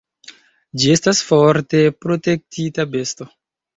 Ĝi estas forte protektita besto.